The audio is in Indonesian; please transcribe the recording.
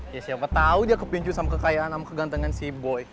ya siapa tahu dia kepincu sama kekayaan sama kegantengan si boi